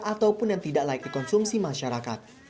ataupun yang tidak layak dikonsumsi masyarakat